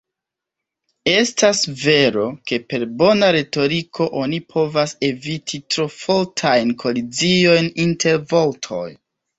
Estas vero, ke per bona retoriko oni povas eviti tro fortajn koliziojn inter vortoj.